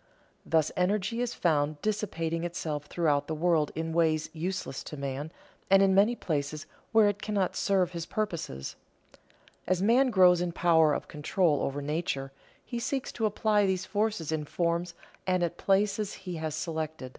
_ Thus energy is found dissipating itself throughout the world in ways useless to man, and in places where it cannot serve his purposes. As man grows in power of control over nature, he seeks to apply these forces in forms and at places he has selected.